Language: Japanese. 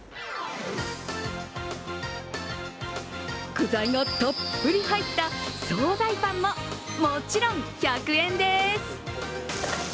具材がたっぷり入った総菜パンももちろん１００円です。